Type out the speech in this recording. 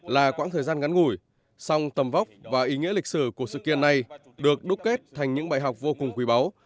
là quãng thời gian ngắn ngủi song tầm vóc và ý nghĩa lịch sử của sự kiện này được đúc kết thành những bài học vô cùng quý báu